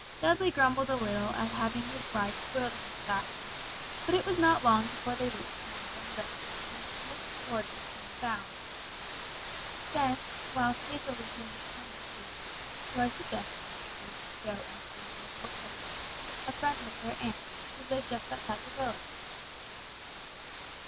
Dudley grumbled a little at having his ride spoiled in this fashion; but it was not long before they reached the neighboring village, and the smith's forge was soon found. Then, whilst Hazel was being attended to, Roy suggested that they should go and see an old lady, a great friend of their aunt's, who lived just outside the village.